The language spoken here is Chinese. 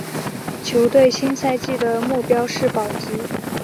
球队新赛季的目标是保级。